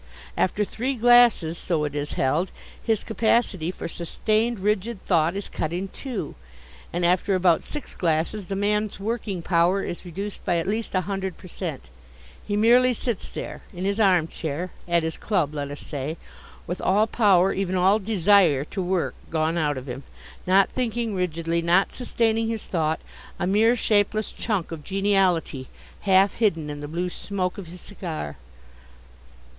After three glasses, so it is held, his capacity for sustained rigid thought is cut in two. And after about six glasses the man's working power is reduced by at least a hundred per cent. He merely sits there in his arm chair, at his club let us say with all power, even all desire to work gone out of him, not thinking rigidly, not sustaining his thought, a mere shapeless chunk of geniality, half hidden in the blue smoke of his cigar.